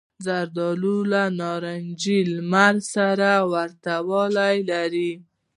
زردالو له نارنجي لمر سره ورته والی لري.